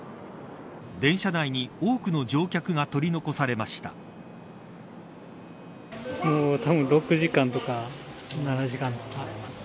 電車内に多くの乗客が取り残されました。